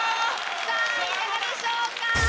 さぁいかがでしょうか？